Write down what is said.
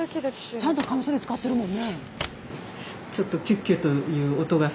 ちゃんとカミソリ使ってるもんね。